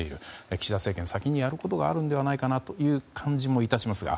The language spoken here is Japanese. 岸田政権、先にやることがあるのではないかなという感じもいたしますが。